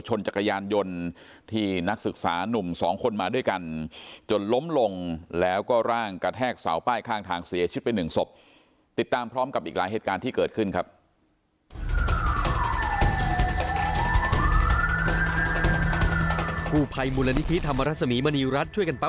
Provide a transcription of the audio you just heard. ชิดไปหนึ่งศพติดตามพร้อมกับอีกหลายเหตุการณ์ที่เกิดขึ้นครับ